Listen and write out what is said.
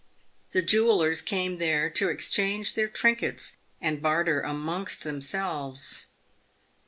The jewellers came there to exchange their trinkets, and barter amongst themselves.